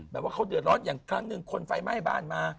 แบบว่าเขาเดือดร้อนอย่างครั้งหนึ่งคนไฟไหม้บ้านมา